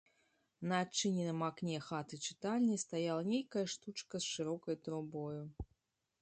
На адчыненым акне хаты-чытальні стаяла нейкая штучка з шырокай трубою.